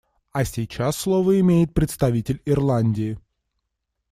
А сейчас слово имеет представитель Ирландии.